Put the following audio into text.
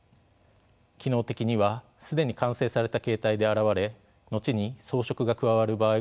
機能的には既に完成された形態で現れ後に装飾が加わる場合がほとんどです。